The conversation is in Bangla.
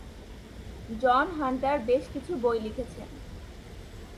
জন হান্টার বেশ কিছু বই লিখেছেন।